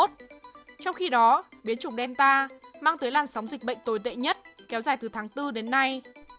trong khi đó biến chủng delta mang tới làn sóng dịch bệnh tồi tệ nhất kéo dài từ tháng bốn đến nay